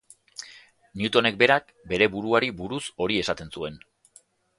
Newtonek berak bere buruari buruz hori esaten zuen.